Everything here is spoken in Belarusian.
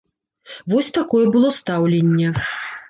Вось такое было стаўленне.